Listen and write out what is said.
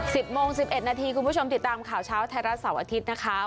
สิบโมงสิบเอ็ดนาทีคุณผู้ชมติดตามข่าวเช้าไทยรัฐเสาร์อาทิตย์นะคะ